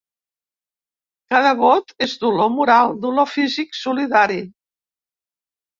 Cada vot és dolor moral, dolor físic solidari.